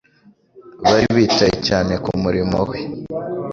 Bari bitaye cyane ku murimo we.